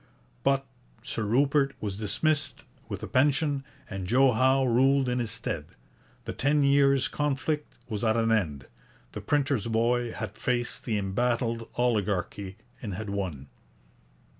But Sir Rupert was dismissed with a pension, and Joe Howe ruled in his stead. The ten years' conflict was at an end. The printer's boy had faced the embattled oligarchy, and had won.